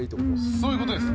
そういうことです。